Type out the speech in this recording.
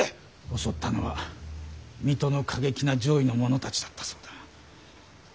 襲ったのは水戸の過激な攘夷の者たちだったそうだ。